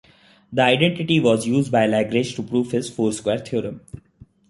The identity was used by Lagrange to prove his four square theorem.